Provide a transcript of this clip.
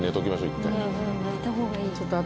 一回うん寝たほうがいい頭